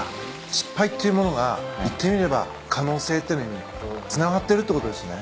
失敗っていうものが言ってみれば可能性っていうのにつながってるってことですね。